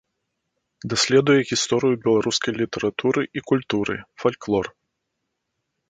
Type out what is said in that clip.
Даследуе гісторыю беларускай літаратуры і культуры, фальклор.